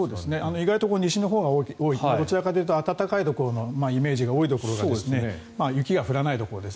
意外と西のほうが多いというのはどちらかというと暖かいイメージが多いところが雪が降らないところですね。